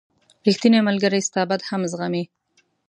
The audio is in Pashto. • ریښتینی ملګری ستا بد هم زغمي.